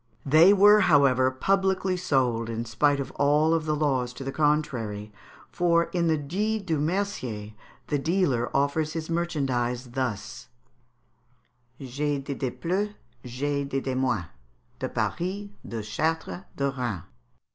They were, however, publicly sold in spite of all the laws to the contrary; for, in the "Dit du Mercier," the dealer offers his merchandise thus: "J'ay dez de plus, j'ay dez de moins, De Paris, de Chartres, de Rains."